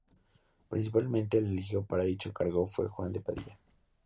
Probablemente, el elegido para dicho cargo fue Juan de Padilla.